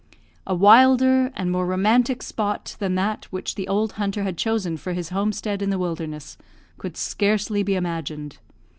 A wilder and more romantic spot than that which the old hunter had chosen for his homestead in the wilderness could scarcely be imagined.